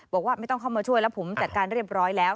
บอกว่าไม่ต้องเข้ามาช่วยแล้วผมจัดการเรียบร้อยแล้ว